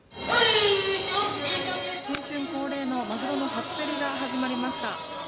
新春恒例のまぐろの初競りが始まりました。